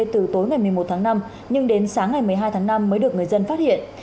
từ tối ngày một mươi một tháng năm nhưng đến sáng ngày một mươi hai tháng năm mới được người dân phát hiện